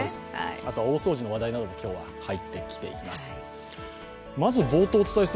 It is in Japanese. あとは大掃除の話題なども今日入ってきています。